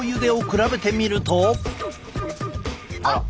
あっ！